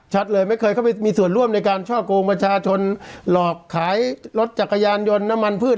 เลยไม่เคยเข้าไปมีส่วนร่วมในการช่อกงประชาชนหลอกขายรถจักรยานยนต์น้ำมันพืช